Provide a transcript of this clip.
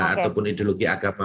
ataupun ideologi agama